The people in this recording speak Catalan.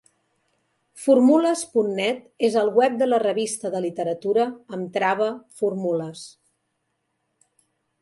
Formules.net és el web de la revista de literatura amb trava Formules.